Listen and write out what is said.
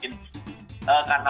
tidak beraktivitas di luar ruangan